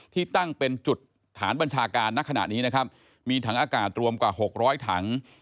ที่ตั้งเป็นจุดฐานบัญชาการณขณะนี้นะครับมีถังอากาศรวมกว่า๖๐๐ถัง